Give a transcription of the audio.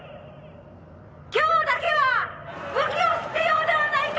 「今日だけは武器を捨てようではないか！」